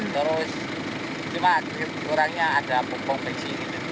terus cuma kurangnya ada pukul pensi